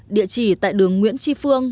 địa chỉ tại đường nguyễn tri phương